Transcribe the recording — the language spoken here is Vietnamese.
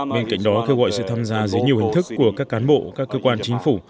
bên cạnh đó kêu gọi sự tham gia dưới nhiều hình thức của các cán bộ các cơ quan chính phủ